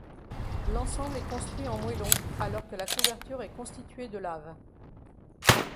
L'ensemble est construit en moëllons alors que la couverture est constituées de lave.